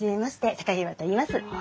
榊原といいます。